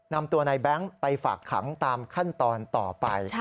นำตัวในแบงค์ไปฝากขังตามขั้นตอนต่อไป